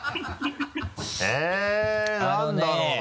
え何だろうな。